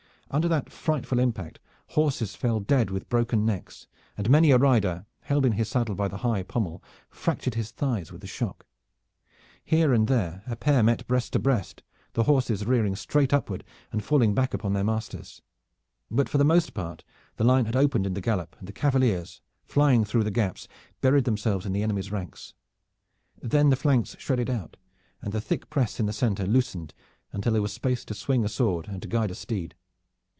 Under that frightful impact horses fell dead with broken necks, and many a rider, held in his saddle by the high pommel, fractured his thighs with the shock. Here and there a pair met breast to breast, the horses rearing straight upward and falling back upon their masters. But for the most part the line had opened in the gallop, and the cavaliers, flying through the gaps, buried themselves in the enemy's ranks. Then the flanks shredded out, and the thick press in the center loosened until there was space to swing a sword and to guide a steed.